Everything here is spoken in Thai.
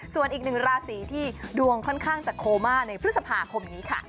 ส่วนอีกหนึ่งราศีที่ดวงค่อนข้างจะโคม่าในพฤษภาคมนี้ค่ะ